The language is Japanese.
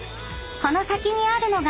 この先にあるのが］